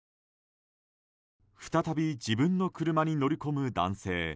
再び自分の車に乗り込む男性。